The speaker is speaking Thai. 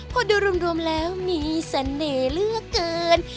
พอดูรวมแล้วมีเสน่ห์เหลือเกิน